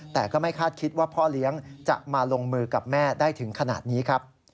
แต่ก็ไม่คาดคิดว่าพ่อเลี้ยงจะมาลงมือกับแม่ได้ถึงขนาดนี้ครับ